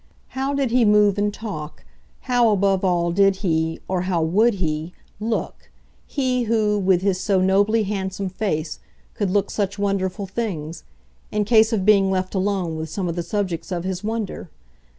How did he move and talk, how above all did he, or how WOULD he, look he who, with his so nobly handsome face, could look such wonderful things in case of being left alone with some of the subjects of his wonder?